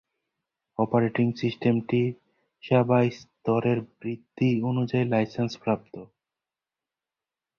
Operating সিস্টেমটি "সেবা স্তরের বৃদ্ধি" অনুযায়ী লাইসেন্স প্রাপ্ত।